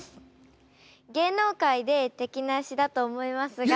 芸能界で敵なしだと思いますが。